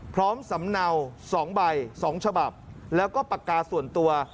สำเนา๒ใบ๒ฉบับแล้วก็ปากกาส่วนตัว